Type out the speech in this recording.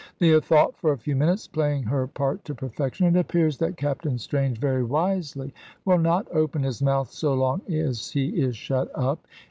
Leah thought for a few minutes, playing her part to perfection. "It appears that Captain Strange, very wisely, will not open his mouth so long as he is shut up.